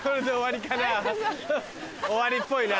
終わりっぽいな。